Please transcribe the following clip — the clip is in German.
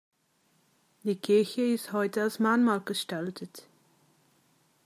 Die Kirche ist heute als Mahnmal gestaltet.